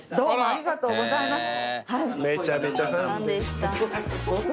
ありがとうございます。